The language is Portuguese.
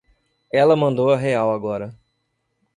Ela mandou a real, agora.